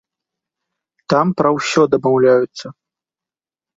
Там пра ўсё дамаўляюцца.